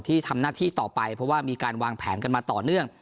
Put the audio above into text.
ที่ทำหน้าที่ต่อไปเพราะว่ามีการวางแผนกันมาต่อเนื่อง